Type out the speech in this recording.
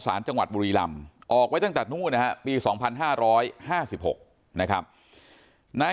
สารจังหวัดบุรีลำออกไว้ตั้งแต่นู้นนะฮะปี๒๕๕๖นะครับนาย